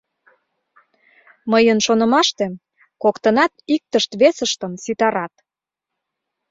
— Мыйын шонымаштем, коктынат иктышт-весыштым ситарат.